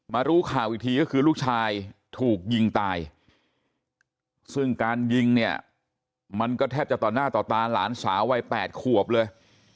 รู้ข่าวอีกทีก็คือลูกชายถูกยิงตายซึ่งการยิงเนี่ยมันก็แทบจะต่อหน้าต่อตาหลานสาววัย๘ขวบเลย